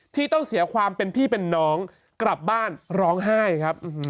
ที่ต้องเสียความเป็นพี่เป็นน้องกลับบ้านร้องไห้ครับ